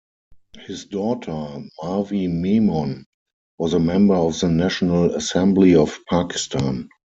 His daughter, Marvi Memon, was a member of the National Assembly of Pakistan.